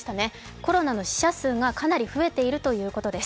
コロナの死者数がかなり増えているということです。